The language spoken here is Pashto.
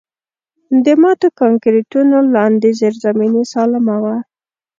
د ماتو کانکریټونو لاندې زیرزمیني سالمه وه